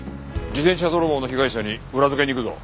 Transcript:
自転車泥棒の被害者に裏付けに行くぞ。